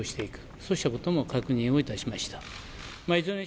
そうしたことも確認を致しました。